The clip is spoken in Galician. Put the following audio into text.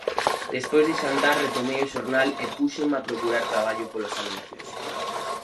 Despois de xantar retomei o xornal e púxenme a procurar traballo polos anuncios.